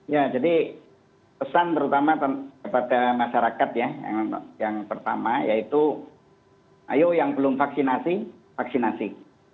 ya jadi pesan terutama kepada masyarakat ya yang pertama yaitu ayo yang belum vaksinasi vaksinasi